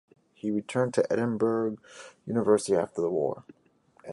He returned to Edinburgh University after the war.